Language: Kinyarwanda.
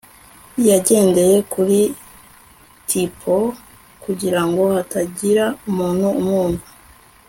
Yagendeye kuri tiptoe kugirango hatagira umuntu umwumva